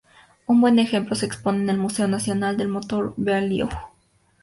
Un buen ejemplo se expone en el Museo Nacional del Motor, Beaulieu.